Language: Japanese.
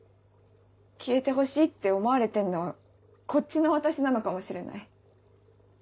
消えてほしいって思われてんのはこっちの私なのかもしれない。